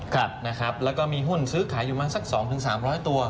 ครับนะครับแล้วก็มีหุ้นซื้อขายอยู่ประมาณสักสองถึงสามร้อยตัว